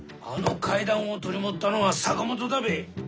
あの会談を取り持ったのは坂本だべ。